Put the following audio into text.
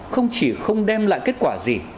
không chỉ không đem lại kết quả gì